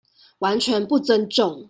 完全不尊重